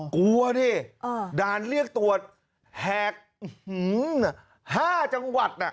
กลัวดิด่านเรียกตรวจแหก๕จังหวัด